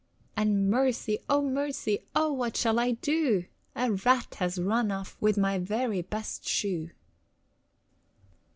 And mercy, Oh, mercy, Oh, what shall I do? A rat has run off With my very best shoe.